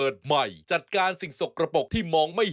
ใส่ไข่บันเทิงซะที่นี่